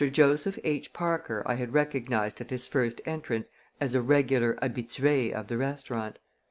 Joseph H. Parker I had recognized at his first entrance as a regular habitué of the restaurant.